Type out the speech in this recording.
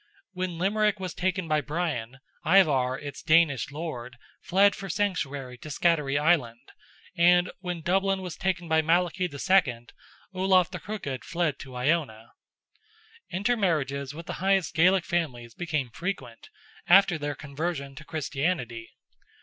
When Limerick was taken by Brian, Ivar, its Danish lord, fled for sanctuary to Scattery Island, and when Dublin was taken by Malachy II., Olaf the Crooked fled to Iona. Inter marriages with the highest Gaelic families became frequent, after their conversion to Christianity.